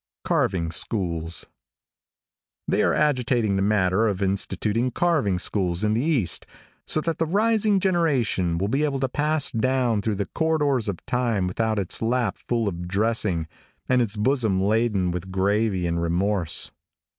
CARVING SCHOOLS. |THEY are agitating the matter of instituting carving schools in the east, so that the rising generation will be able to pass down through the corridors of time without its lap full of dressing and its bosom laden with gravy and remorse.